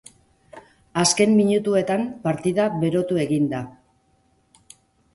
Azken minutuetan partida berotu egin da.